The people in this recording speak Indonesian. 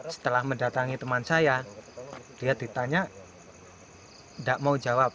setelah mendatangi teman saya dia ditanya tidak mau jawab